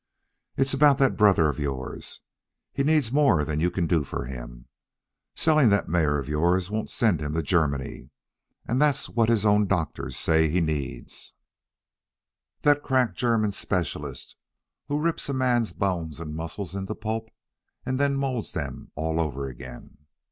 "It's about that brother of yours. He needs more than you can do for him. Selling that mare of yours won't send him to Germany. And that's what his own doctors say he needs that crack German specialist who rips a man's bones and muscles into pulp and then molds them all over again.